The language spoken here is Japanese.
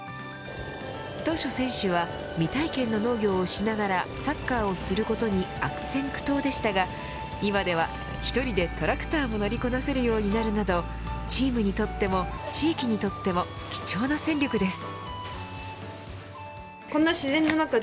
当初選手は未体験の農業をしながらサッカーをすることに悪戦苦闘でしたが今では１人で、トラクターも乗りこなせるようになるなどチームにとっても地域にとっても貴重な戦力です。